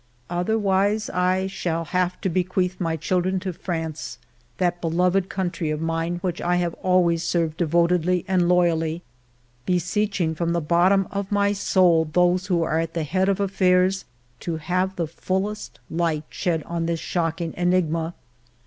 Otherwise I shall have to bequeath my children to France, that beloved country of mine which I have always served devotedly and loyally, beseeching, from the bottom of my soul, those who are at the head of affairs to have the fullest light shed on this shocking enigma.